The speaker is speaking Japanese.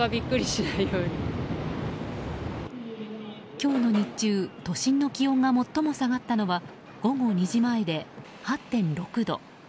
今日の日中都心の気温が最も下がったのは午後２時前で８．６度。